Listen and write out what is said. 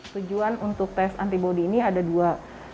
tujuan untuk tes antibody ini ada dua